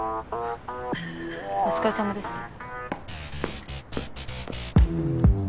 お疲れさまでした。